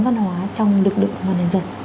văn hóa trong lực lượng công an nhân dân